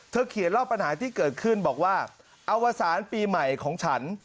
เขียนเล่าปัญหาที่เกิดขึ้นบอกว่าอวสารปีใหม่ของฉัน